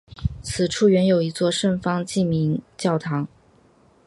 此处原有一座圣方济各教堂。